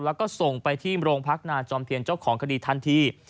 แล้วก็ส่งไปที่โรงพักนาจอมเทียนเจ้าของคดีทันที